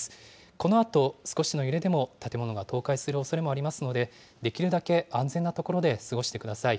このあと少しの揺れでも建物が倒壊するおそれもありますので、できるだけ安全な所で過ごしてください。